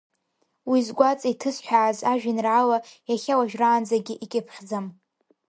Уи сгәаҵа иҭысҳәааз ажәеинраала иахьауажәраанӡагьы икьыԥхьӡам.